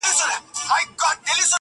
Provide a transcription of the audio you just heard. د ګدا لور ښایسته وه تکه سپینه؛